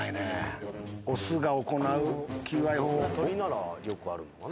鳥ならよくあるのかな？